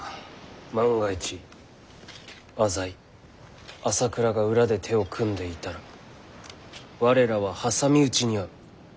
万が一浅井朝倉が裏で手を組んでいたら我らは挟み撃ちに遭う。